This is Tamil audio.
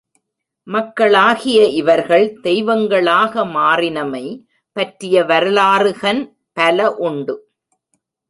மக்களாகிய இவர்கள் தெய்வங்களாக மாறினமை பற்றிய வரலாறுகன் பல உண்டு.